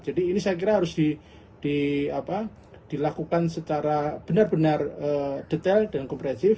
jadi ini saya kira harus dilakukan secara benar benar detail dan kompresif